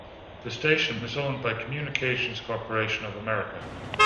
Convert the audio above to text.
The station was owned by Communications Corporation of America.